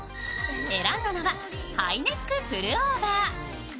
選んだのはハイネックプルオーバー。